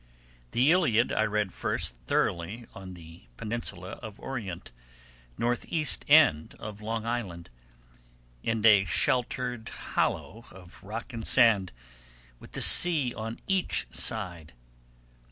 The Iliad ... I read first thoroughly on the peninsula of Orient, northeast end of Long Island, in a sheltered hollow of rock and sand, with the sea on each side.